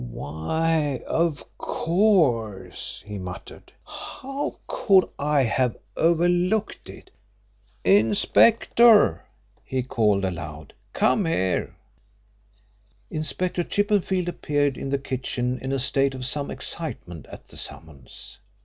"Why, of course!" he muttered. "How could I have overlooked it? Inspector," he called aloud, "come here!" Inspector Chippenfield appeared in the kitchen in a state of some excitement at the summons.